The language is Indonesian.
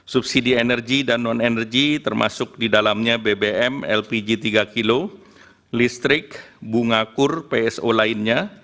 subsidi energi dan non energi termasuk di dalamnya bbm lpg tiga kg listrik bunga kur pso lainnya